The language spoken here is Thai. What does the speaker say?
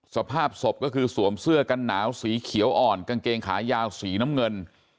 สภาพศพก็คือสวมเสื้อกันหนาวสีเขียวอ่อนกางเกงขายาวสีน้ำเงิน